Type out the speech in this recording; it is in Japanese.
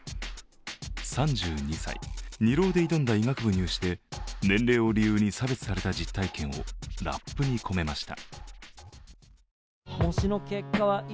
３２歳、２浪で挑んだ医学部入試で年齢を理由に差別された実体験をラップに込めました。